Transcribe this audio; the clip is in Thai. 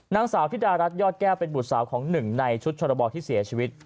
นางสาวธิดารัฐยอดแก้วเป็นบุตรสาวของหนึ่งในชุดชรบที่เสียชีวิต